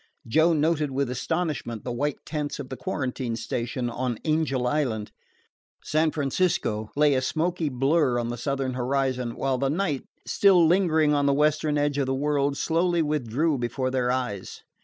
Joe noted with astonishment the white tents of the quarantine station on Angel Island. San Francisco lay a smoky blur on the southern horizon, while the night, still lingering on the western edge of the world, slowly withdrew before their eyes.